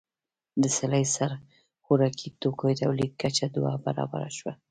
د سړي سر خوراکي توکو تولید کچه دوه برابره شوه.